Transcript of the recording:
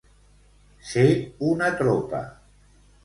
Ser una tropa.